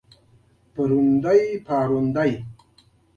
هیڅ وخت یې تر پنځه سوه دیناره کم بخشش نه کاوه.